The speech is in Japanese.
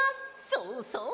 そうそう！